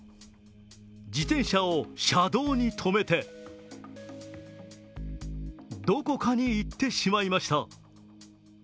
自転車を車道に止めてどこかに行ってしまいました。